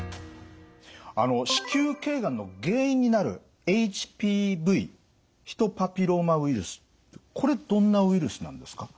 子宮頸がんの原因になるＨＰＶヒトパピローマウイルスこれどんなウイルスなんですか？